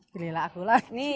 pilihlah aku lagi